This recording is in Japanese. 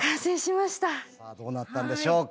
さあどうなったんでしょうか。